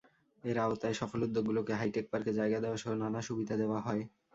এর আওতায় সফল উদ্যোগগুলোকে হাইটেক পার্কে জায়গা দেওয়াসহ নানা সুবিধা দেওয়া হয়।